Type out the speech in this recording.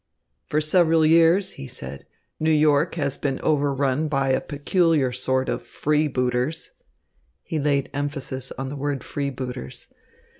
"For several years," he said, "New York has been overrun by a peculiar sort of freebooters." He laid emphasis on the word freebooters.